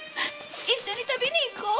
一緒に旅に行こう！